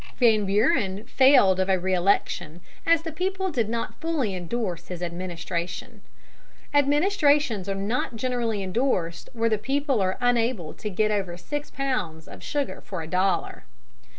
Van Buren failed of a re election, as the people did not fully endorse his administration. Administrations are not generally endorsed where the people are unable to get over six pounds of sugar for a dollar.